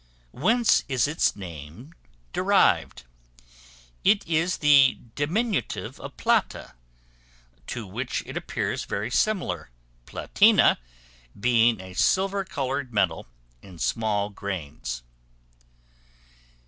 Whence is its name derived? It is the diminutive of plata, silver, to which it appears very similar; platina being a silver colored metal, in small grains.